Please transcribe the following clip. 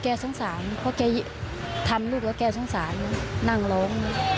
สงสารเพราะแกทำลูกแล้วแกสงสารนั่งร้อง